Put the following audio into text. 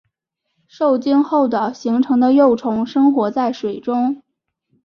受精后的形成的幼虫生活在水中。